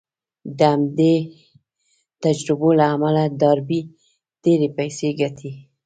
د همدې تجربو له امله ډاربي ډېرې پيسې ګټي.